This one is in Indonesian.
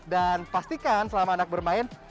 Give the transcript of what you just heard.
dan pastikan selama anak bermain